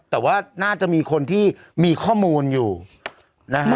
แต่ว่าน่าจะมีคนที่มีข้อมูลอยู่นะฮะ